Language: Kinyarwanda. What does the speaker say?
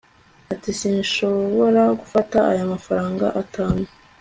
ati sinshobora gufata aya mafaranga atanu